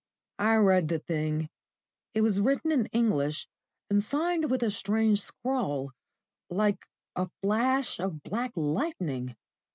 I read the thing. It was written in English, and signed with a strange scrawl, like a flash of black lightning.